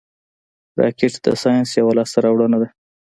راکټ د ساینس یوه لاسته راوړنه ده